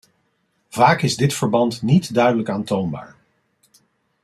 Vaak is dit verband niet duidelijk aantoonbaar.